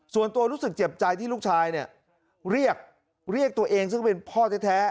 ส่วนตัวรู้สึกเจ็บใจที่ลูกชายเนี่ยเรียกตัวเองซึ่งเป็นพ่อแท้